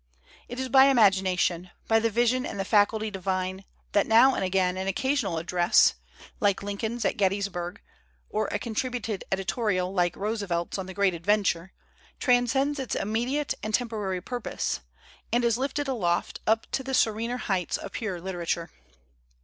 It is by imagination, by the vision and the faculty divine, that now and again an occasional address, like Lincoln's at Gettysburg, or a con tributed editorial, like Roosevelt's on the ' Great Adventure/ transcends its immediate and tem porary purpose, and is lifted aloft up to the serener heights of pure literature.